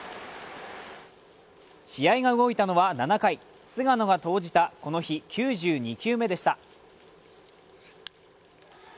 試合が動いたのは７回、菅野が投じたこの日９２球目でした。